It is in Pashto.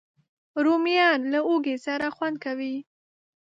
رومیان له هوږې سره خوند کوي